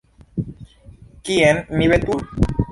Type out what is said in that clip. Kien mi veturu?